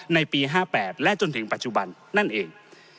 ในปี๕๘และจนถึงปัจจุบันนั่นเอง